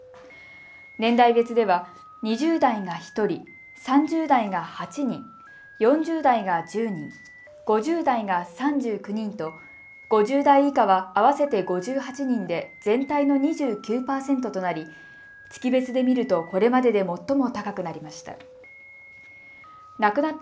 年代別では２０代が１人、３０代が８人、４０代が１０人、５０代が３９人と５０代以下は合わせて５８人で全体の２９％となり月別で見るとこれまでで最も高くなりました。